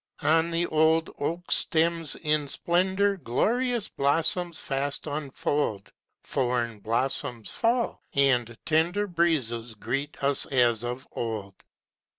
On the old oak's stems in splendour Glorious blossoms fast unfold; Foreign blossoms fall, and tender Breezes greet us as of old.